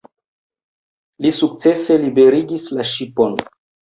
Li sukcese liberigis la ŝipon.